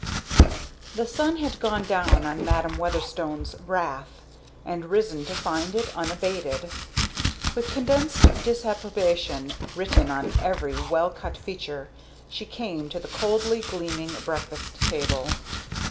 The sun had gone down on Madam Weatherstone's wrath, and risen to find it unabated. With condensed disapprobation written on every well cut feature, she came to the coldly gleaming breakfast table.